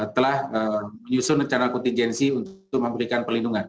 telah menyusun rencana kontijensi untuk memberikan pelindungan